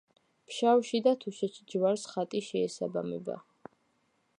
ფშავში და თუშეთში ჯვარს ხატი შეესაბამება.